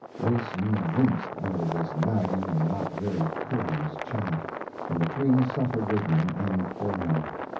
Wilson winced under this nagging and not very courteous chaff, and the twins suffered with him and for him.